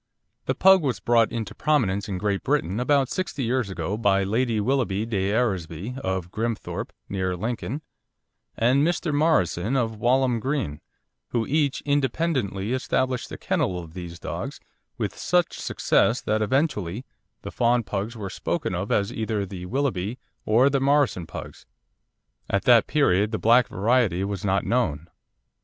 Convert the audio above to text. The Pug was brought into prominence in Great Britain about sixty years ago by Lady Willoughby de Eresby, of Grimthorpe, near Lincoln, and Mr. Morrison, of Walham Green, who each independently established a kennel of these dogs, with such success that eventually the fawn Pugs were spoken of as either the Willoughby or the Morrison Pugs. At that period the black variety was not known.